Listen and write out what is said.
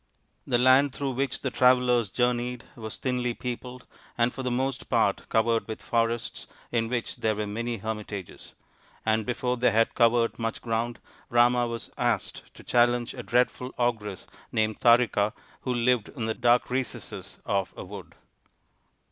The land through which the travellers journeyed was thinly peopled and for the most part covered with forests in which there were many hermitages ; and before they had covered much ground Rama was asked to challenge a dreadful ogress named Tarika who lived in the dark recesses of a wood.